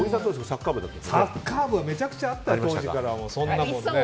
サッカー部めちゃくちゃあった当時から、そんなもん。